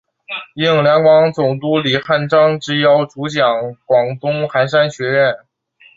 应两广总督李瀚章之邀主讲广东韩山书院。